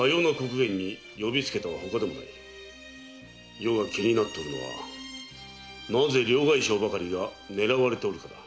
余が気になっておるのはなぜ両替商ばかりが狙われておるかだ。